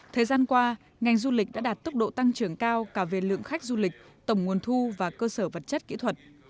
thời gian qua ngành du lịch đã đạt tốc độ tăng trưởng cao cả về lượng khách du lịch tổng nguồn thu và cơ sở vật chất kỹ thuật